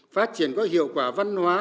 phát triển có hiệu quả văn hóa